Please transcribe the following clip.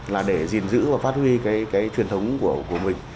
là để gìn giữ và phát huy cái truyền thống của mình